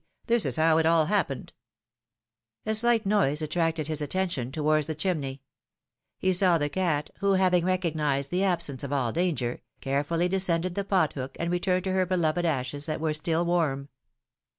This is how it all happened — A slight noise attracted his attention towards the chim ney; he saw the cat, who, having recognized the absence of all danger, carefully descended the pot hook and re turned to her beloved ashes that were still warm.